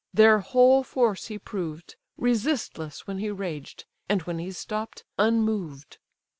Their whole force he proved, Resistless when he raged, and, when he stopp'd, unmoved.